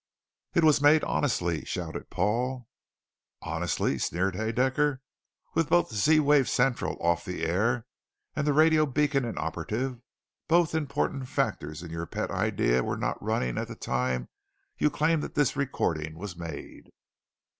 "It was made honestly!" shouted Paul. "Honestly," sneered Haedaecker. "With both Z wave Central off the air, and the radio beacon inoperative; both important factors in your pet idea were not running at the time you claim that this recording was made!"